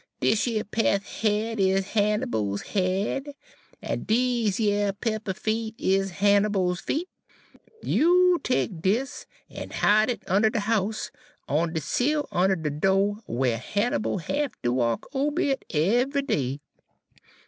Dis yer peth head is Hannibal's head, en dese yer pepper feet is Hannibal's feet. You take dis en hide it unner de house, on de sill unner de do', whar Hannibal 'll hafter walk ober it eve'y day.